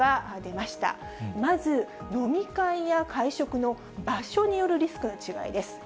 まず、飲み会や会食の場所によるリスクの違いです。